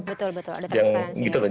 betul betul ada transparansi